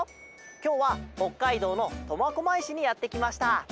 きょうはほっかいどうのとまこまいしにやってきました。